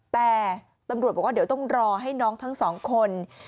แต่ตำรวจบอกว่าเดี๋ยวต้องรอให้น้องทั้งสองคน